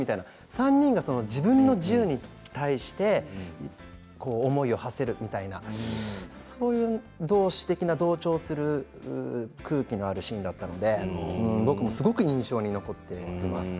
３人が自分の自由に対して思いをはせるみたいなそういう同志的な同調する空気のあるシーンだったので僕もすごく印象に残っています。